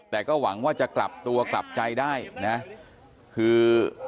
แต่ก็หวังว่าจะกลับตัวกลับใจได้นะคือ